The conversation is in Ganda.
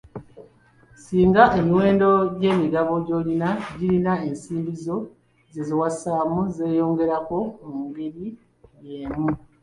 Singa emiwendo gy'emigabo gy'olina girinnya, ensimbi zo ze wassaamu zeeyongerako mu ngeri y'emu.